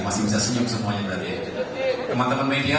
masih bisa sejuk semuanya dari teman teman media